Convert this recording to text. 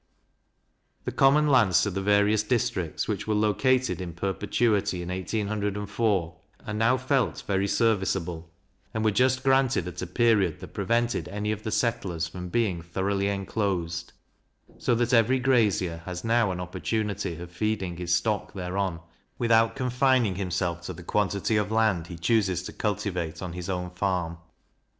The common lands to the various districts, which were located in perpetuity in 1804, are now felt very serviceable, and were just granted at a period that prevented any of the settlers from being thoroughly enclosed, so that every grazier has now an opportunity of feeding his stock thereon, without confining himself to the quantity of land he chooses to cultivate on his own farm.